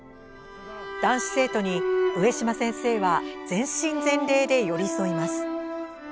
男子生徒に上嶋先生は全身全霊で寄り添います。